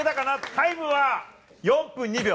タイムは４分２秒。